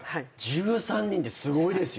１３人ってすごいですよ！